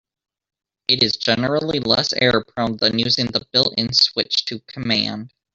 It is generally less error-prone than using the built-in "switch to" command.